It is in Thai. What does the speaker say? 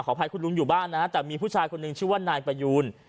อภัยคุณลุงอยู่บ้านนะฮะแต่มีผู้ชายคนหนึ่งชื่อว่านายประยูน